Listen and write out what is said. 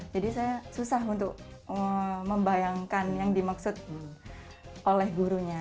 jadi saya susah untuk membayangkan yang dimaksud oleh gurunya